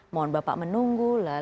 mohon bapak menunggu